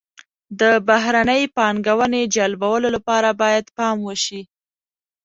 د بهرنۍ پانګونې جلبولو لپاره باید پام وشي.